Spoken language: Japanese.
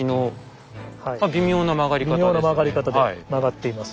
微妙な曲がり方で曲がっています。